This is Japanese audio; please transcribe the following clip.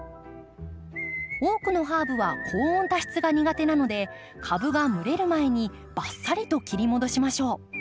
多くのハーブは高温多湿が苦手なので株が蒸れる前にバッサリと切り戻しましょう。